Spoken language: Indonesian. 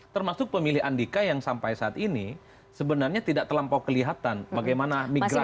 termasuk pemilih andika yang sampai saat ini sebenarnya tidak terlampau kelihatan bagaimana migran